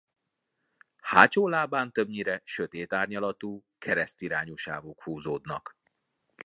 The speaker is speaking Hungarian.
Hátsó lábán többnyire sötét árnyalatú keresztirányú sávok húzódnak.